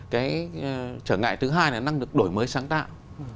cái trở ngại thứ hai là năng lực đổi mới sáng tạo